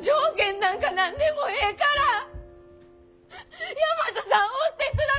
条件なんか何でもええから大和さんおってくださいよ！